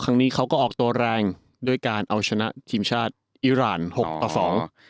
ครั้งนี้เขาก็ออกตัวแรงด้วยการเอาชนะทีมชาติอิราณหกต่อสอง